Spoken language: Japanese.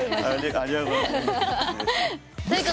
ありがとうございます。